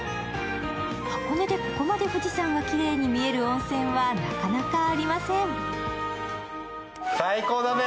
箱根でここまで富士山がきれいに見える温泉はなかなかありません。